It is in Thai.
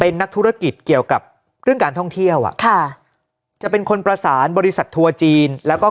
นักธุรกิจเกี่ยวกับเรื่องการท่องเที่ยวอ่ะค่ะจะเป็นคนประสานบริษัททัวร์จีนแล้วก็